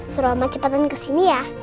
suruh oma cepetan ke sini ya